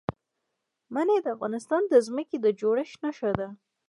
منی د افغانستان د ځمکې د جوړښت نښه ده.